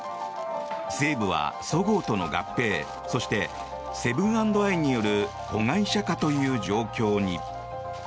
西武は、そごうとの合併そして、セブン＆アイによる子会社化という状況に。